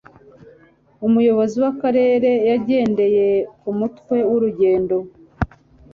Umuyobozi w'akarere yagendeye ku mutwe w'urugendo.